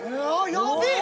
やべえ！